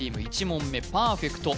１問目パーフェクト